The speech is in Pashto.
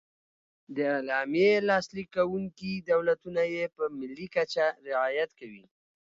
د اعلامیې لاسلیک کوونکي دولتونه یې په ملي کچه رعایت کوي.